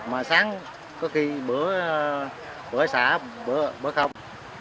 mà sáng có khi bữa xả bữa không